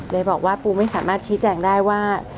บอกว่าปูไม่สามารถชี้แจงได้ว่า